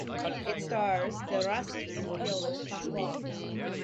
It stars de Rossi and Piolo Pascual.